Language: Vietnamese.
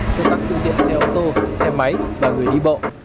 cho các phương tiện xe ô tô xe máy và người đi bộ